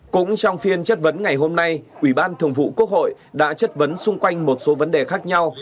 cũng trong phiên chất vấn ngày hôm nay ủy ban thường vụ quốc hội đã chất vấn xung quanh một số vấn đề khác nhau